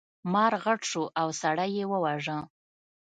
مار غټ شو او سړی یې وواژه.